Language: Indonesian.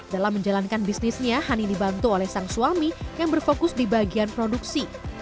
dalam menjalankan bisnisnya hani dibantu oleh sang suami yang berfokus di bagian produksi